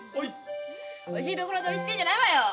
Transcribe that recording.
おいしいところ取りしてんじゃないわよ！